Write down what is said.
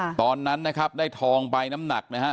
ตอนนั้นนะครับได้ทองใบน้ำหนักนะฮะ